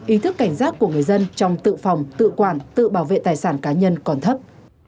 ý thức cảnh giác của người dân trong tự phòng tự quản tự bảo vệ tài sản cá nhân còn thấp